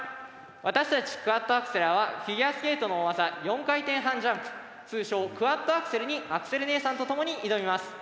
私たち「クアッドアクセラー」はフィギュアスケートの大技４回転半ジャンプ通称クワッドアクセルに「アクセル姉さん」と共に挑みます。